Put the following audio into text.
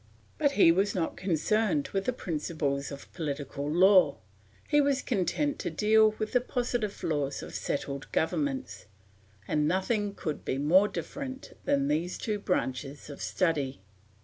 But he was not concerned with the principles of political law; he was content to deal with the positive laws of settled governments; and nothing could be more different than these two branches of study.